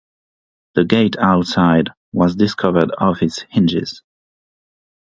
The gate outside was discovered off its hinges.